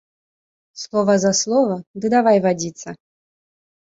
Слова за слова, ды давай вадзіцца!